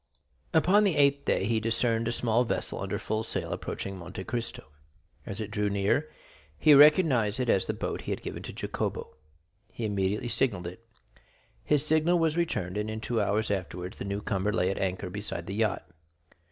Upon the eighth day he discerned a small vessel under full sail approaching Monte Cristo. As it drew near, he recognized it as the boat he had given to Jacopo. He immediately signalled it. His signal was returned, and in two hours afterwards the new comer lay at anchor beside the yacht.